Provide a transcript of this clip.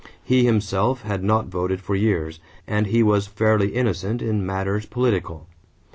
He himself had not voted for years and he was fairly innocent in matters political.